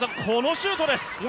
このシュートです。